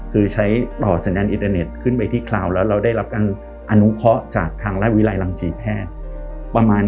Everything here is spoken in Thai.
คือใช้ต่อสัญญาณอินเทอร์เน็ตขึ้นไปที่คราวแล้วเราได้รับการอนุเคาะจากทางราชวิรัยรังศรีแพทย์ประมาณ